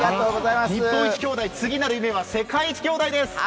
日本一兄弟、次なる夢は世界一兄弟です。